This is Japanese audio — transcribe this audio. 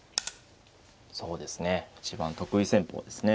そうですね一番得意戦法ですね。